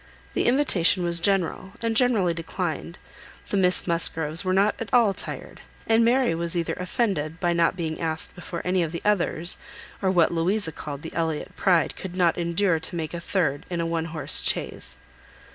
The invitation was general, and generally declined. The Miss Musgroves were not at all tired, and Mary was either offended, by not being asked before any of the others, or what Louisa called the Elliot pride could not endure to make a third in a one horse chaise.